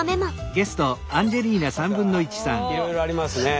さあいろいろありますね。